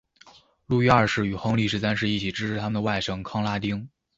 路易二世与亨利十三世一起支持他们的外甥康拉丁。